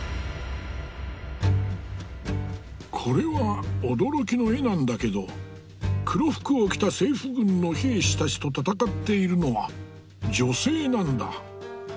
これは驚きの絵なんだけど黒服を着た政府軍の兵士たちと戦っているのは女性なんだ。